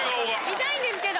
見たいんですけど！